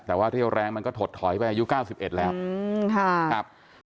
แต่ว่าที่เรียกแรงมันก็ถดถอยไปอายุเก้าสิบเอ็ดแล้วอืมค่ะครับ